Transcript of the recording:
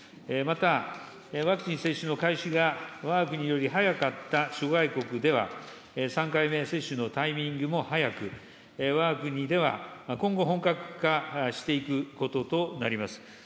また、ワクチン接種の開始がわが国より早かった諸外国では、３回目接種のタイミングも早く、わが国では今後本格化していくこととなります。